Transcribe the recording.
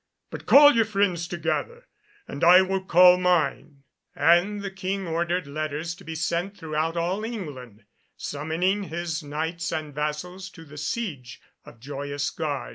But call your friends together, and I will call mine;" and the King ordered letters to be sent throughout all England summoning his Knights and vassals to the siege of Joyous Gard.